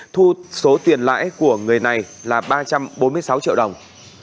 thu số tiền lãi của người này là ba trăm bốn mươi sáu triệu đồng